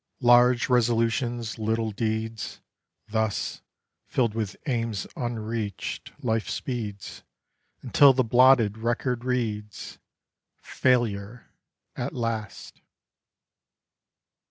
Large resolutions, little deeds; Thus, filled with aims unreached, life speeds Until the blotted record reads, "Failure!" at last.